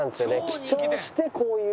記帳してこういう。